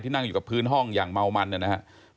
นั่งอยู่กับพื้นห้องอย่างเมามันนะครับ